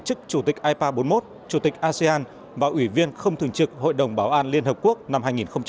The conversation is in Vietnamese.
chức chủ tịch ipa bốn mươi một chủ tịch asean và ủy viên không thường trực hội đồng bảo an liên hợp quốc năm hai nghìn hai mươi